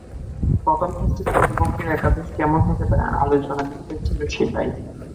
প্রথম টেস্টে প্রতিপক্ষের একাদশ কেমন হতে পারে, আলোচনার বিষয় ছিল সেটাই।